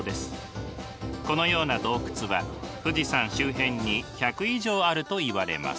このような洞窟は富士山周辺に１００以上あるといわれます。